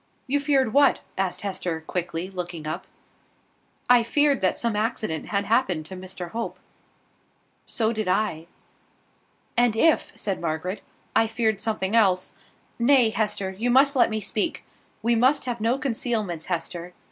"You feared what?" asked Hester, quickly, looking up. "I feared that some accident had happened to Mr Hope." "So did I." "And if," said Margaret, "I feared something else Nay, Hester, you must let me speak. We must have no concealments, Hester.